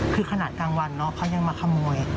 คือขนาดกลางวันเนาะเขายังมาขโมย